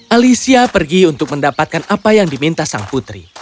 alicia pergi untuk mendapatkan apa yang diminta sang putri